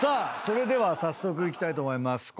それでは早速いきたいと思います。